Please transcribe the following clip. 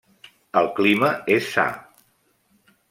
El clima és sa.